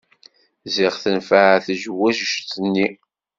Ziɣ tenfeε tejwejt-nni.